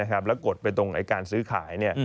แล้วกดไปตรงการซื้อขาย